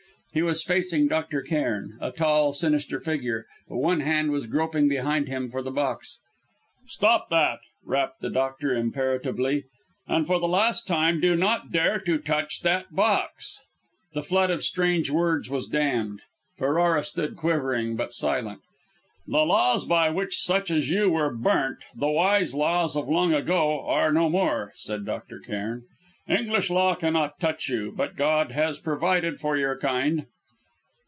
He was facing Dr. Cairn, a tall, sinister figure, but one hand was groping behind him for the box. "Stop that!" rapped the doctor imperatively "and for the last time do not dare to touch that box!" The flood of strange words was dammed. Ferrara stood quivering, but silent. "The laws by which such as you were burnt the wise laws of long ago are no more," said Dr. Cairn. "English law cannot touch you, but God has provided for your kind!"